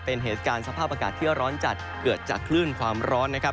เป็นเหตุการณ์สภาพอากาศที่ร้อนจัดเกิดจากคลื่นความร้อนนะครับ